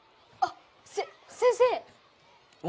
あっせ先生。